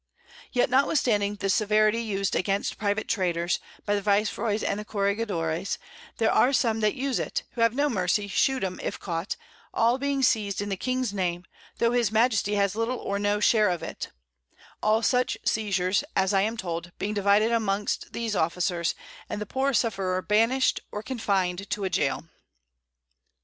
Yet notwithstanding the Severity us'd against private Traders, by the Vice roys and Corregidores, there are some that use it, who have no Mercy shew'd 'em if caught, all being seiz'd in the King's Name, tho' his Majesty has little or no Share of it; All such Seizures (as I am told) being divided amongst these Officers, and the poor Sufferer banish'd or confin'd to a Goal. [Sidenote: _Description of Guiaquil.